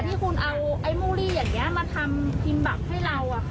ที่คุณเอาไอ้มุลีอย่างเงี้ยมาทำพิมพ์บับให้เราอ่ะค่ะ